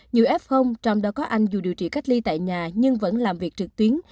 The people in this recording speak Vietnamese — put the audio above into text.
nhiều f trong đó có anh dù điều trị cách ly tại nhà nhưng vẫn làm việc trực tuyến